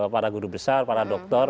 satu ratus satu para guru besar para dokter